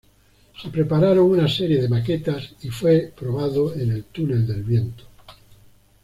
Se prepararon una serie de maquetas y fue probado en el túnel de viento.